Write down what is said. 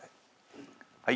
はい。